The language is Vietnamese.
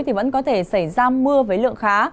thì vẫn có thể xảy ra mưa với lượng khá